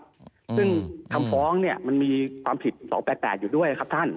ซึ่งคำฟ้องเนี่ยมันมีความผิด๒๘๘อยู่ด้วยครับท่าน